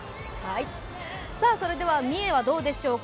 それでは三重はどうでしょうか。